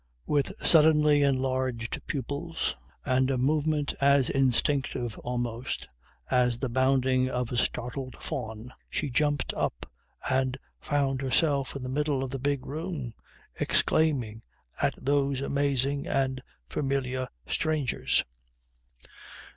With suddenly enlarged pupils and a movement as instinctive almost as the bounding of a startled fawn, she jumped up and found herself in the middle of the big room, exclaiming at those amazing and familiar strangers.